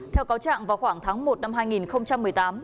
theo cáo trạng vào khoảng tháng một năm hai nghìn một mươi tám